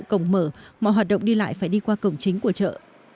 cổng mở mọi hoạt động đi lại phải đi qua cổng chính của chợ